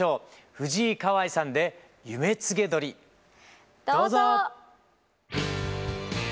藤井香愛さんで「夢告鳥」。どうぞ。